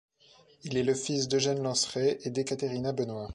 Il est le fils d'Eugène Lanceray et d'Ekaterina Benois.